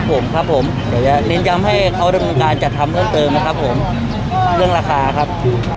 ครับผมครับผมเดี๋ยวจะลิ้นย้ำให้เขาด้วยการจัดทำเรื่องเติมนะครับผมเรื่องราคาครับ